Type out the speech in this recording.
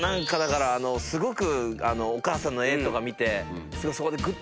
すごくお母さんの絵とか見て。